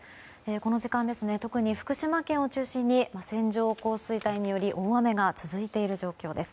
この時間、特に福島県を中心に線状降水帯により大雨が続いている状況です。